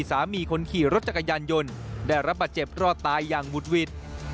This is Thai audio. สามีคนขี่รถจักรยานยนต์ได้รับบาดเจ็บรอดตายอย่างบุดหวิด